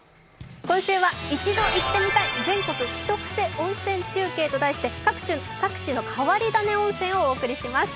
今週は一度行ってみたい全国ひとクセ温泉中継ということで、各地の変わり種温泉をお送りします。